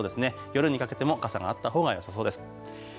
夜にかけても傘があったほうがよさそうです。